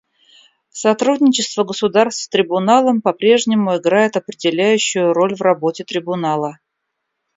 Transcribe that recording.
Сотрудничество государств с Трибуналом по-прежнему играет определяющую роль в работе Трибунала.